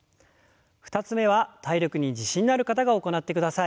２つ目は体力に自信がある方が行ってください。